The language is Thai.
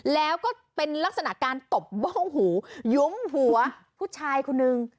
แล้วก็เป็นลักษณะการตบบ้องหูยุ้มหัวผู้ชายคนนึง